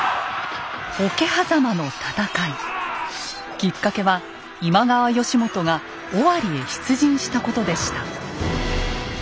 きっかけは今川義元が尾張へ出陣したことでした。